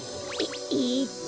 ええっと